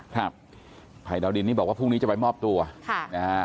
ครับภัยดาวดินนี่บอกว่าพรุ่งนี้จะไปมอบตัวค่ะนะฮะ